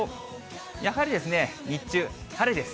やはり日中、晴れです。